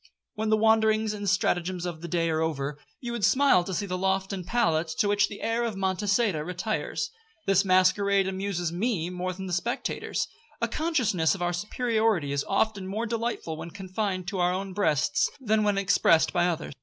When the wanderings and stratagems of the day are over, you would smile to see the loft and pallet to which the heir of Monçada retires. This masquerade amuses me more than the spectators. A consciousness of our superiority is often more delightful when confined to our own breasts, than when expressed by others.